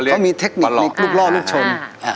เขามีเทคนิคลูกล่อลูกชน